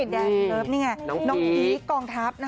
แดนเซิร์ฟนี่ไงน้องพีคกองทัพ